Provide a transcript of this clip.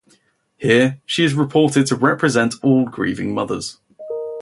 Here she is reported to represent all grieving mothers.